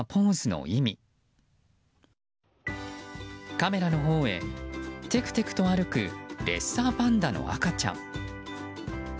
カメラのほうへてくてくと歩くレッサーパンダの赤ちゃん。